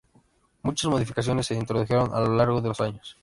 Muchas modificaciones se introdujeron a lo largo de los años.